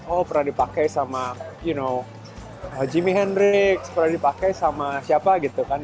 oh pernah dipakai sama you know jimmy hendrix pernah dipakai sama siapa gitu kan